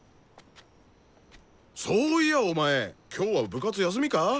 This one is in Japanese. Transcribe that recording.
そういやお前今日は部活休みか？